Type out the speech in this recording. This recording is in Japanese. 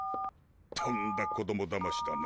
とんだ子供だましだな。